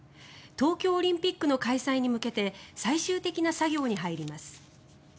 東京オリンピックの開催に向けて最終的な作業に入ります。